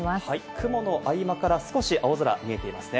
雲の合間から少し青空が見えていますね。